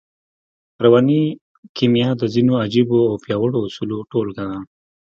رواني کيميا د ځينو عجييو او پياوړو اصولو ټولګه ده.